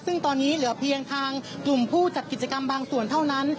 ซึ่งตอนนี้เหลือเพียงทางกลุ่มผู้จัดกิจกรรมบางส่วนเท่านั้น